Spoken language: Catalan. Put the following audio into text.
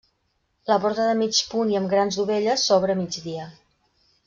La porta de mig punt i amb grans dovelles s'obre a migdia.